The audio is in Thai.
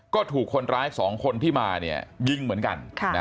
ก็ถูกคนร้าย๒คนที่มายิงเหมือนกัน